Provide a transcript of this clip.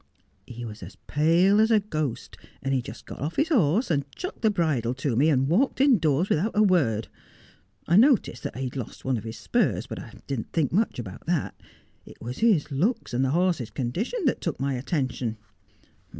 He was as pale as a ghost, and he just got off his horse, and chucked the bridle to me, and walked indoors without a word. I noticed that he'd lost one of his spurs, but I didn't think much about that. It was his looks and the 248 Just as I Am. horse's condition that took my attention.